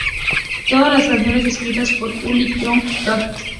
Todas las canciones escritas por Uli Jon Roth.